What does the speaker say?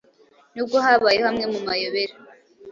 n’ubwo habayeho amwe mu mayobera